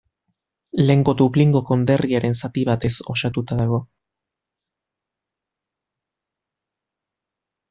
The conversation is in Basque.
Lehengo Dublingo konderriaren zati batez osatuta dago.